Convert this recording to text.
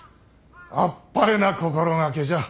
あっぱれな心掛けじゃ。